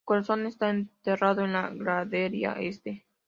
Su corazón está enterrado en la Gradería Este.